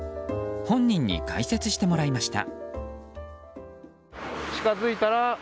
本人に解説してもらいました。